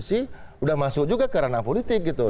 sudah masuk juga ke ranah politik gitu